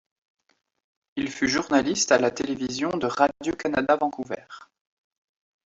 Il fut journaliste à la télévision de Radio-Canada Vancouver.